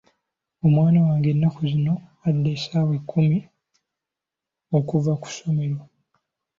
Omwana wange ennaku zino adda essaawa ekkumi okuva ku ssomero.